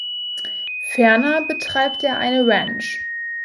Ferner betreibt er eine Ranch.